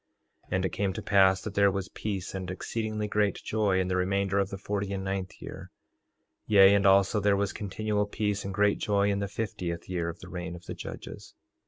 3:32 And it came to pass that there was peace and exceedingly great joy in the remainder of the forty and ninth year; yea, and also there was continual peace and great joy in the fiftieth year of the reign of the judges.